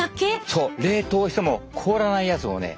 そう冷凍しても凍らないやつをね。